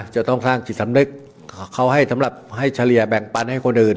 จะต้องสร้างจิตสำนึกเขาให้สำหรับให้เฉลี่ยแบ่งปันให้คนอื่น